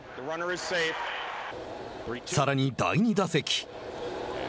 さらに第２打席。